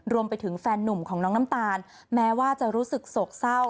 รวมไปถึงแฟนนุ่มของน้องน้ำตาลแม้ว่าจะรู้สึกโศกเศร้า